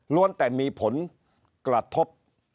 แต่มีผลกระทบ